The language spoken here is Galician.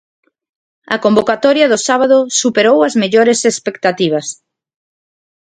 A convocatoria do sábado superou as mellores expectativas.